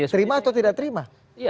terima atau tidak terima